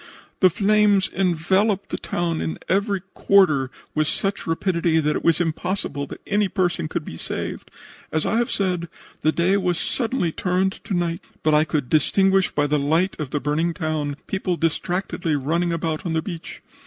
The flames enveloped the town in every quarter with such rapidity that it was impossible that any person could be saved. As I have said, the day was suddenly turned to night, but I could distinguish by the light of the burning town people distractedly running about on the beach.